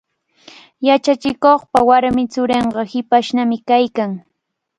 Yachachikuqpa warmi churinqa hipashnami kaykan.